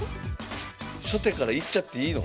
初手からいっちゃっていいの？